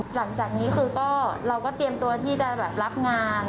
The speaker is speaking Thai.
หลังจากนี้คือก็เราก็เตรียมตัวที่จะแบบรับงาน